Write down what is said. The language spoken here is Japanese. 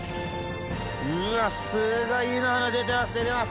うわあすごい湯の花出てます